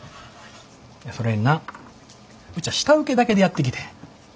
それになぁうちは下請けだけでやってきてん。